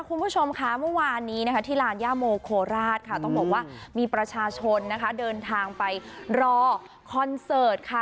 คุณผู้ชมค่ะเมื่อวานนี้นะคะที่ลานย่าโมโคราชค่ะต้องบอกว่ามีประชาชนนะคะเดินทางไปรอคอนเสิร์ตค่ะ